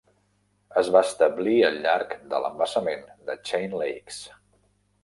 Es va establir al llarg de l'embassament de Chain Lakes.